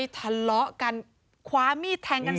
ทะเลาะกันคว้ามีดแทงกัน